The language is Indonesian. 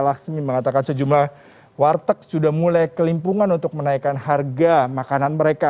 laksmi mengatakan sejumlah warteg sudah mulai kelimpungan untuk menaikkan harga makanan mereka